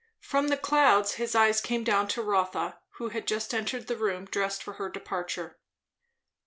From the clouds his eye came down to Rotha, who had just entered the room dressed for her departure.